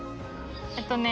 えっとね。